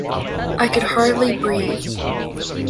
I could hardly breathe.